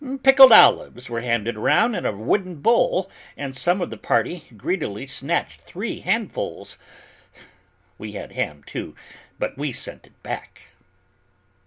Pickled olives were handed around in a wooden bowl, and some of the party greedily snatched three handfuls, we had ham, too, but we sent it back."